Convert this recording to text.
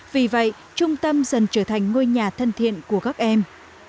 vì vậy trung tâm dần trở thành ngôi nhà thân thiện của các em